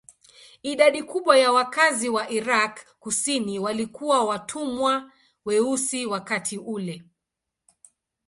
Idadi kubwa ya wakazi wa Irak kusini walikuwa watumwa weusi wakati ule.